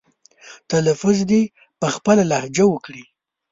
تلفظ دې په خپله لهجه وکړي.